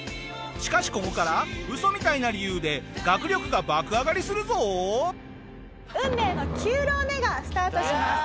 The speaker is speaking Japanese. しかしここからウソみたいな理由で学力が爆上がりするぞ！がスタートします。